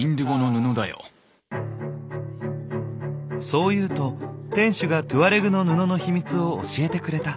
そう言うと店主がトゥアレグの布の秘密を教えてくれた。